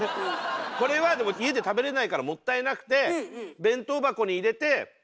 これはでも家で食べれないからもったいなくて偉い。